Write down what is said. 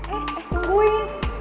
eh eh tungguin